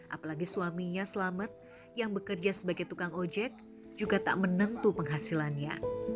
apalagi suaminya selamat yang bekerja sebagai tukang ojek juga tak menentu penghasilannya